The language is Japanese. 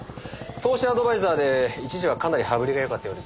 投資アドバイザーで一時はかなり羽振りがよかったようです。